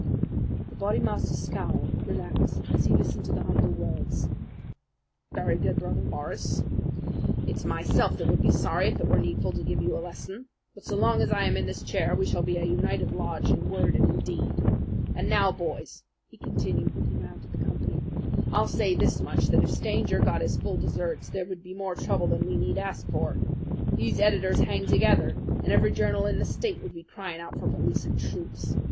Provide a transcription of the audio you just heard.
The Bodymaster's scowl relaxed as he listened to the humble words. "Very good, Brother Morris. It's myself that would be sorry if it were needful to give you a lesson. But so long as I am in this chair we shall be a united lodge in word and in deed. And now, boys," he continued, looking round at the company, "I'll say this much, that if Stanger got his full deserts there would be more trouble than we need ask for. These editors hang together, and every journal in the state would be crying out for police and troops.